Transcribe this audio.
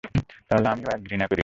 তাহলে আমিও এক ঘৃণা করি!